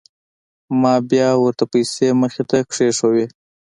ما بيا ورته پيسې مخې ته كښېښووې.